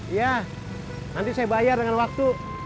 iya nanti saya bayar dengan waktu